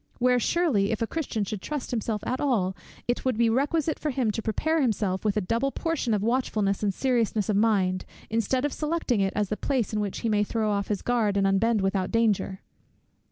where surely, if a Christian should trust himself at all, it would be requisite for him to prepare himself with a double portion of watchfulness and seriousness of mind, instead of selecting it as the place in which he may throw off his guard, and unbend without danger!